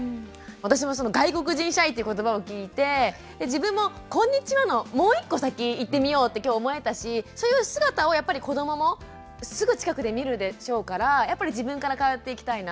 私もその「外国人シャイ」っていう言葉を聞いて自分も「こんにちは」のもう一個先いってみようって今日思えたしそういう姿をやっぱり子どももすぐ近くで見るでしょうからやっぱり自分から変わっていきたいなって。